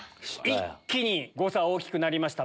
一気に誤差大きくなりました